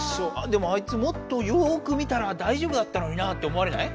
でもあいつもっとよく見たらだいじょうぶだったのになぁって思われない？